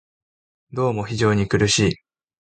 どうも非常に苦しい